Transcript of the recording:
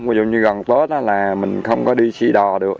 ví dụ như gần tết là mình không có đi sĩ đò được